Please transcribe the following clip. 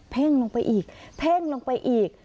เพ่งลงไปอีกเพ่งลงไปอีก